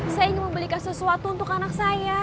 saya ingin memberikan sesuatu untuk anak saya